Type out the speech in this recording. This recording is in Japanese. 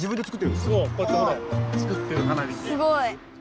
すごい。